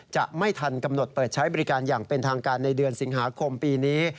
จะไม่ทันกำหนดเปิดใช้บริการอย่างเป็นทางการในเดือนสิงหาคมปีนี้